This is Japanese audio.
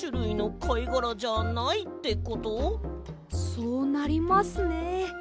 そうなりますね。